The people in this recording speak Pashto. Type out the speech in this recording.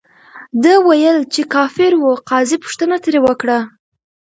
ده ویل، چې کافر ؤ. قاضي پوښتنه ترې وکړه،